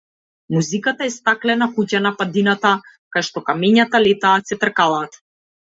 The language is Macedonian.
Музиката е стаклена куќа на падината кај што камењата летаат, се тркалаат.